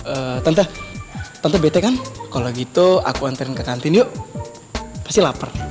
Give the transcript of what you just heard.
eh tante tante bete kan kalo gitu aku anterin ke kantin yuk pasti lapar